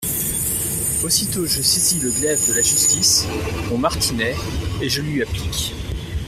Aussitôt je saisis le glaive de la justice, mon martinet, et je lui applique…